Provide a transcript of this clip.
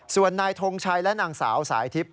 ส่วนนายทงชัยและนางสาวสายทิพย